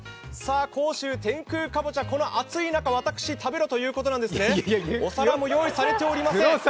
甲州天空かぼちゃ、この熱い中、私、食べろということなんですねお皿も用意されています。